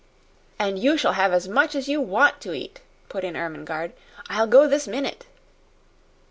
"And you shall have as much as you WANT to eat," put in Ermengarde. "I'll go this minute!"